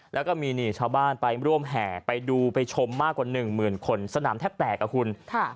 แล้วก็มีนี่ชาวบ้านไปร่วมแห่ไปดูไปชมมากกว่าหนึ่งหมื่นคนสนามแทบแตกอ่ะคุณ